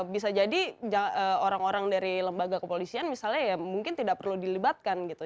bisa jadi orang orang dari lembaga kepolisian misalnya ya mungkin tidak perlu dilibatkan gitu